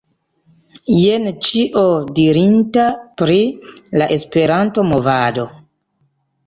Jen ĉio dirinda pri "La Esperanto-Movado."